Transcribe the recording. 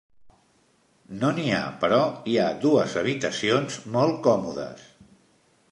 No n'hi ha, però hi ha dues habitacions molt còmodes.